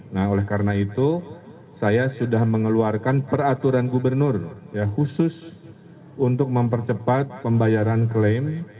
nah oleh karena itu saya sudah mengeluarkan peraturan gubernur khusus untuk mempercepat pembayaran klaim